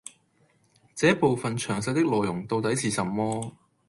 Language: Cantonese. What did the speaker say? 這部分詳細的內容到底是什麼